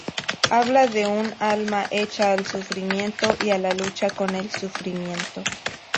Habla de un alma hecha al sufrimiento y a la lucha con el sufrimiento.